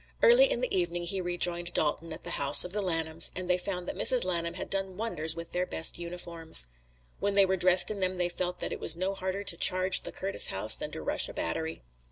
Early in the evening he rejoined Dalton at the house of the Lanhams and they found that Mrs. Lanham had done wonders with their best uniforms. When they were dressed in them they felt that it was no harder to charge the Curtis house than to rush a battery.